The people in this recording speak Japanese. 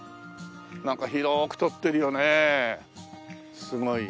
なんか広く取ってるよねすごい。